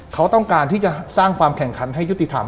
เขาต้องการที่จะสร้างความแข่งขันให้ยุติธรรม